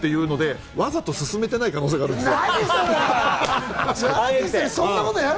わざと進めてない可能性があるんですよ。